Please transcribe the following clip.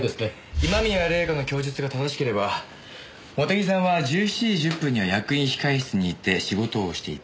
今宮礼夏の供述が正しければ茂手木さんは１７時１０分には役員控室にいて仕事をしていた。